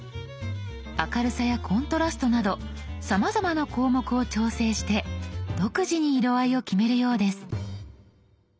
明るさやコントラストなどさまざまな項目を調整して独自に色合いを決めるようです。